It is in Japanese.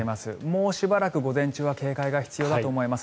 もうしばらく、午前中は警戒が必要だと思います。